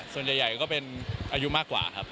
ส่วนใหญ่ก็เป็นอายุมากกว่าครับ